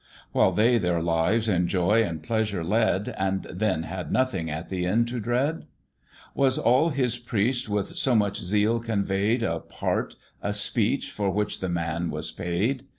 While they their lives in joy and pleasure led, And then had nothing at the end to dread? Was all his priest with so much zeal convey'd A part! a speech! for which the man was paid!